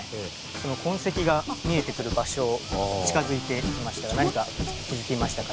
その痕跡が見えてくる場所近づいてきましたが何か気付きましたか？